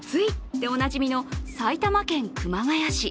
でおなじみの埼玉県熊谷市。